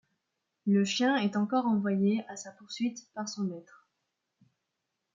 Le chien est encore envoyé à sa poursuite par son maître.